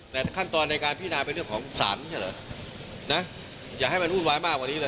แต่ขั้นตอนในการพินาเป็นเรื่องของสารไม่ใช่เหรอนะอย่าให้มันวุ่นวายมากกว่านี้เลย